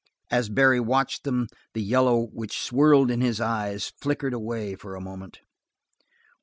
As Barry watched them the yellow which swirled in his eyes flickered away for a moment.